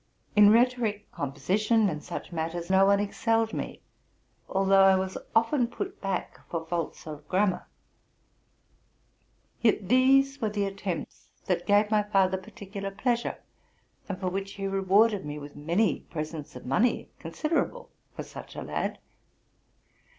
In rhetoric, composition, and such matters, no one excelled me; although I was often put back for faults of grammar. Yet these were the attempts that gave my father particular pleasure, and for which he rewarded me with many presents of money, considerable for such a lad.